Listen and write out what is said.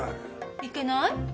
いけない？